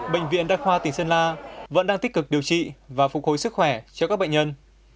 bệnh viện đa khoa tỉnh sơn la vẫn đang tích cực điều trị và phục hồi sức khỏe cho các bệnh nhân